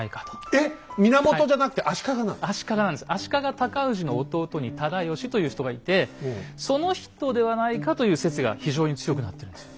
足利尊氏の弟に直義という人がいてその人ではないかという説が非常に強くなってるんですよ。